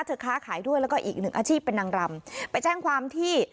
ค้าขายด้วยแล้วก็อีกหนึ่งอาชีพเป็นนางรำไปแจ้งความที่